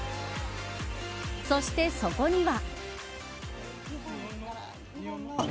そして、そこには。